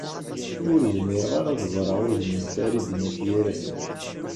Ur zmireɣ ara ad ẓreɣ udem n Farid n At Yiraten.